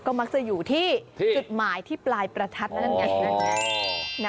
ก็มักจะอยู่ที่จุดหมายที่ปลายประทัดนั่นไงนั่นไง